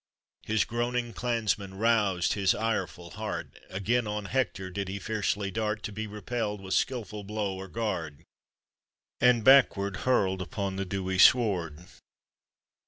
His groaning; clansmen roused his ireful heart, Again on Hector did he fiercely dart, To be repelled with skillful blow or guard. And backward hurled upon the dewy sward.